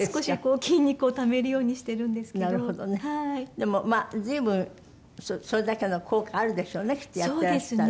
でも随分それだけの効果あるでしょうねきっとやってらしたら。